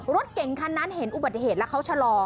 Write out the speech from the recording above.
รถเก่งคันนั้นเห็นอุบัติเหตุแล้วเขาชะลอ